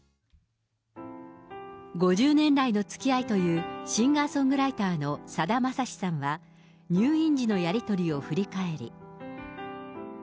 ５０年来のつきあいという、シンガーソングライターのさだまさしさんは、入院時のやり取りを振り返り。